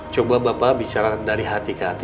coba bapak bicara dari hati ke hati